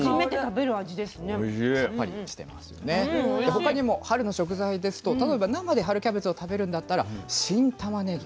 他にも春の食材ですと例えば生で春キャベツを食べるんだったら新たまねぎ。